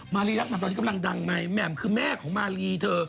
รีรักแหม่มตอนนี้กำลังดังไงแหม่มคือแม่ของมารีเธอ